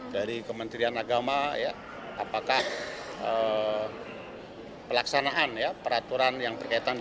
dari kementerian agama apakah pelaksanaan ya peraturan yang berkaitan